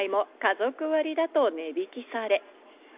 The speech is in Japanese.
「小遣いも家族割だと値引きされ」。